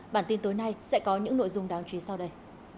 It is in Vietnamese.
bản tin tối nay sẽ có những nội dung đáng chú ý sau đây